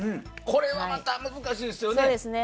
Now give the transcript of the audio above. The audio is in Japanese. これはまた難しいですよね。